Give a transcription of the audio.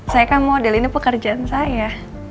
saya kan model ini pekerjaan saya